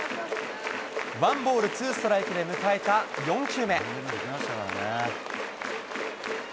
ワンボールツーストライクで迎えた４球目。